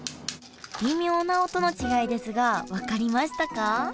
微妙な音の違いですが分かりましたか？